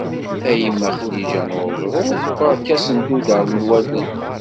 A yemma Xliǧa n Uẓru, berka asenduder n wallen.